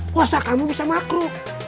puasa kamu bisa makruh